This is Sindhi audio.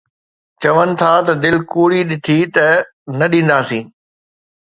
چون ٿا ته دل ڪوڙي ڏٺي ته نه ڏينداسين